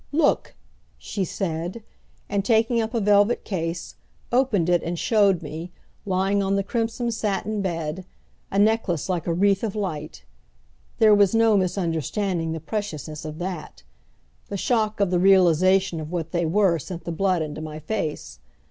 "Look," she said, and taking up a velvet case, opened it, and showed me, lying on the crimson satin bed, a necklace like a wreath of light. There was no misunderstanding the preciousness of that. The shock of the realization of what they were sent the blood into my face.